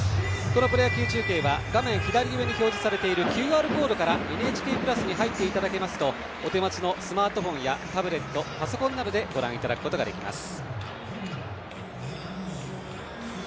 このプロ野球中継は画面左上に表示されているＱＲコードから「ＮＨＫプラス」に入っていただきますとお手持ちのスマートフォンやタブレットパソコンなどでご覧いただくことができます。